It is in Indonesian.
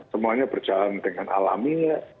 semuanya berjalan dengan alami